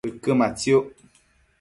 ëquë matsiuc